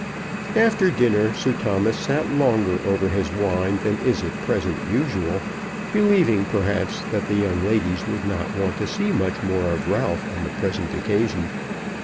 After dinner Sir Thomas sat longer over his wine than is at present usual, believing, perhaps, that the young ladies would not want to see much more of Ralph on the present occasion.